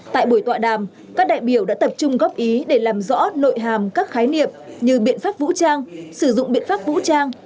tại buổi tọa đàm các đại biểu đã tập trung góp ý để làm rõ nội hàm các khái niệm như biện pháp vũ trang sử dụng biện pháp vũ trang